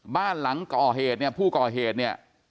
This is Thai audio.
บ้านหลังผู้ก่อเหตุเนี่ย